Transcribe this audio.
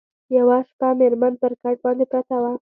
یوه شپه مېرمن پر کټ باندي پرته وه